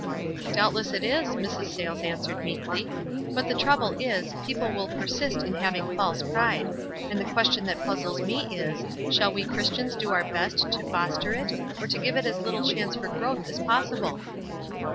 "Doubtless it is," Mrs. Sayies answered, meekly. "But the trouble is, people will per sist in having false pride ; and the question that puzzles me is, Shall we Christians do our best 38 WISE AND OTHERWISE. to foster it, or give it as little chance for growth as possible